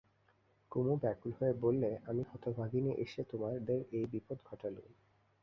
কুমু ব্যাকুল হয়ে বললে, আমি হতভাগিনী এসে তোমাদের এই বিপদ ঘটালুম।